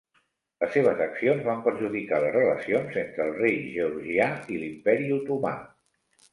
Les seves accions van perjudicar les relacions entre el rei georgià i l'imperi otomà.